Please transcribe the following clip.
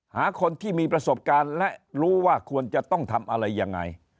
หาคนที่มีประสบการณ์และรู้ว่าควรจะต้องทำอะไรยังไง